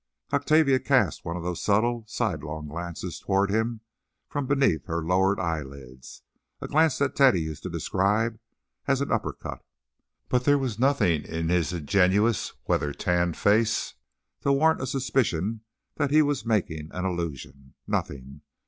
Octavia cast one of those subtle, sidelong glances toward him from beneath her lowered eyelids—a glance that Teddy used to describe as an upper cut. But there was nothing in his ingenuous, weather tanned face to warrant a suspicion that he was making an allusion—nothing.